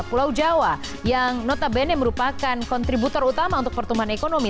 pulau jawa yang notabene merupakan kontributor utama untuk pertumbuhan ekonomi